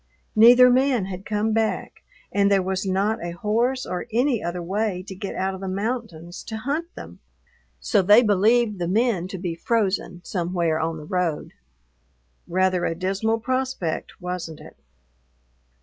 Neither man had come back and there was not a horse or any other way to get out of the mountains to hunt them, so they believed the men to be frozen somewhere on the road. Rather a dismal prospect, wasn't it?